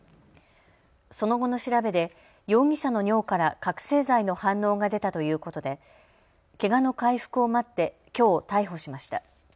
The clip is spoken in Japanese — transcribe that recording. その後の調べで容疑者の尿から覚醒剤の反応が出たということでけがの回復を待ってきょう逮捕しました。